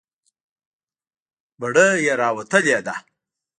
بړۍ یې راوتلې ده.